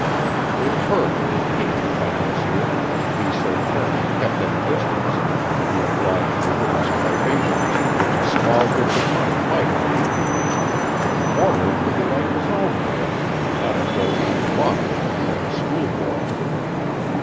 It hurt and piqued the financier to be so firmly kept at a distance and be obliged to witness privations which a small gift of money might have alleviated; moreover he liked his own way and did not enjoy being balked in it by a schoolboy.